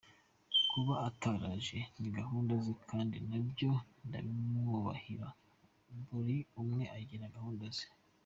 "Kuba ataraje ni gahunda ze kandi nabyo ndabimwubahira, buri umwe agira gahunda ze.